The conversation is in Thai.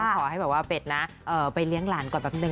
ขอให้แบบว่าเป็ดนะไปเลี้ยงหลานก่อนแป๊บนึ